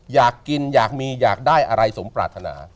อยากกินอยากมีอยากได้อะไรสมปรารถนา